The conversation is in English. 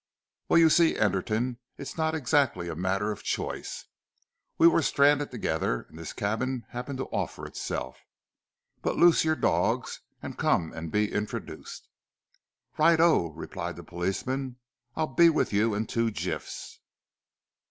"Well, you see, Anderton, it's not exactly a matter of choice. We were stranded together, and this cabin happened to offer itself. But loose your dogs, and come and be introduced!" "Right o!" replied the policeman. "I'll be with you in two jiffs."